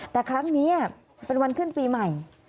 แต่ครั้งนี้เป็นวันขึ้นปีใหม่